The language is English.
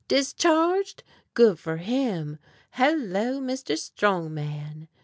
Discharged? Good for him! Hello, Mr. Strong Man!"